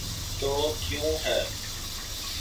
تو کیوں ہے؟